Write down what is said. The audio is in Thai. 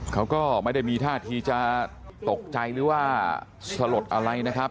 เขาก็ไม่ได้มีท่าทีจะตกใจหรือว่าสลดอะไรนะครับ